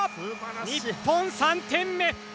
日本、３点目！